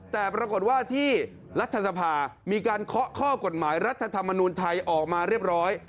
แต่ปรากฏว่าที่รัฐสภามีการเคาะข้อกฎหมายรัฐธรรมนูญไทยออกมาเรียบร้อย